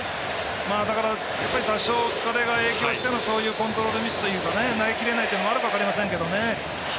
だから多少、疲れが影響してのそういうコントロールミスというか投げきれないというのはあるか分かりませんけどね。